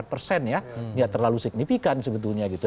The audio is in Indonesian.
tidak terlalu signifikan sebetulnya gitu